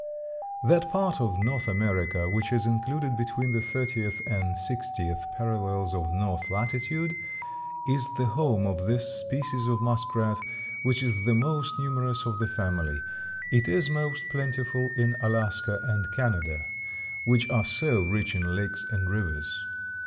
_) That part of North America which is included between the thirtieth and sixtieth parallels of north latitude is the home of this species of muskrat, which is the most numerous of the family. It is most plentiful in Alaska and Canada, which are so rich in lakes and rivers.